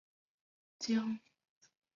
江苏吴县人。